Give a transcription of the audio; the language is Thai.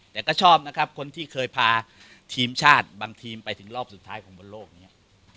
แต่ก็ชอบนะครับคนที่เคยพาทีมชาติบางทีมไปถึงรอบสุดท้ายของบนโลกนี้